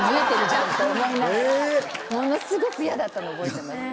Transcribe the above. ものすごく嫌だったの覚えてます。